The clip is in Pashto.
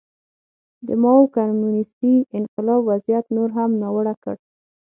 د ماوو کمونېستي انقلاب وضعیت نور هم ناوړه کړ.